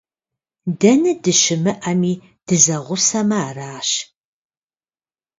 Дэнэ дыщымыӀэми, дызэгъусэмэ аращ.